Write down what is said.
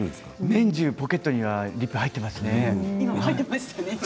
年中ポケットにリップ入っていますね。